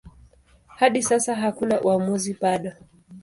Hadi sasa hakuna uamuzi bado.